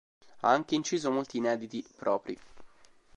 Ha anche inciso molti inediti propri.